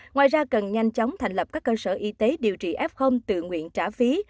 ngoài ra cần nhanh chóng thành lập các cơ sở y tế điều trị f tự nguyện trả phí